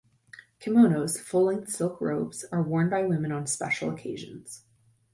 Kimonos, full-length silk robes, are worn by women on special occasions.